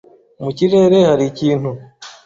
Mu kirere hari ikintu.